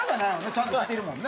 ちゃんと着てるもんな。